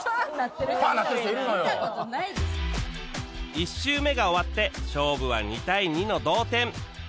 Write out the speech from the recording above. １周目が終わって勝負は２対２の同点